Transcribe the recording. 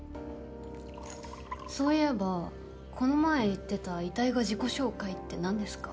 そういえばこの前言ってた遺体が自己紹介って何ですか？